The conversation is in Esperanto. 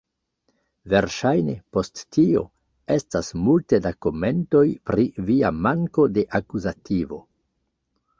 Verŝajne, post tio, estas multe da komentoj pri via manko de akuzativo.